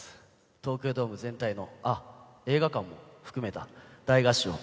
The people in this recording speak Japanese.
東京ドーム全体の、あっ、映画館も含めた大合唱。